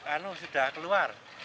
anu sudah keluar